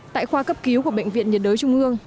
tại khoa cấp cứu của bệnh viện nhiệt đới trung ương